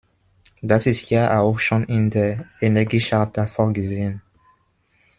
Das ist ja auch schon in der Energiecharta vorgesehen.